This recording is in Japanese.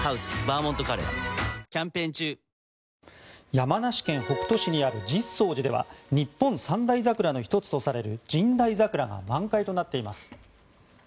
山梨県北杜市にある実相寺では日本三大桜の１つとされる神代桜が満開となっています。